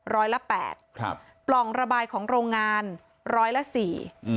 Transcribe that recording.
ร้อยละแปดครับปล่องระบายของโรงงานร้อยละสี่อืม